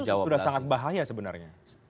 artinya itu sudah sangat bahaya sebenarnya